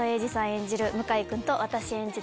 演じる向井君と私演じる